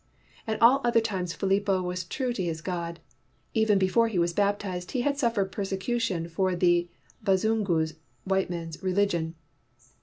At all other times Philipo was true to his God. Even before he was baptized he had suffered persecution for the Bazungu's [white men's] religion.